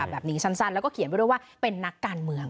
แบบนี้สั้นแล้วก็เขียนไว้ด้วยว่าเป็นนักการเมือง